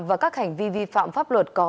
và các hành vi vi phạm pháp luật có